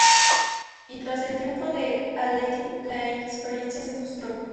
Y tras la triunfo de Alekhine la experiencia se frustró.